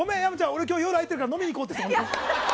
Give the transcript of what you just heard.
俺今日、夜空いてるから飲みに行こうって。